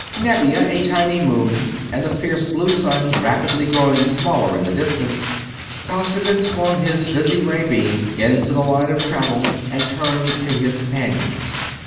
Nevia a tiny moon and the fierce blue sun rapidly growing smaller in the distance, Costigan swung his visiray beam into the line of travel and turned to his companions.